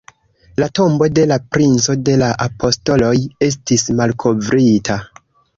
La tombo de la Princo de la Apostoloj estis malkovrita”.